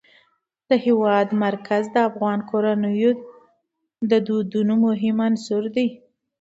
د هېواد مرکز د افغان کورنیو د دودونو مهم عنصر دی.